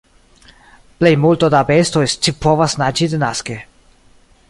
Plejmulto da bestoj scipovas naĝi denaske.